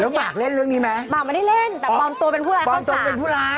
แล้วมากเล่นเรื่องนี้ไหมมากไม่ได้เล่นแต่ปลอมตัวเป็นผู้ร้ายเข้าสร้างปลอมตัวเป็นผู้ร้าย